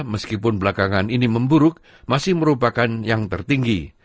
meskipun belakangan ini memburuk masih merupakan yang tertinggi